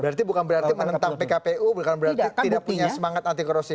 berarti bukan berarti menentang pkpu bukan berarti tidak punya semangat anti korupsi